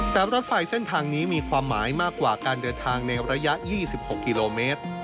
แต่รถไฟเส้นทางนี้มีความหมายมากกว่าการเดินทางในระยะ๒๖กิโลเมตร